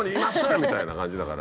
みたいな感じだから。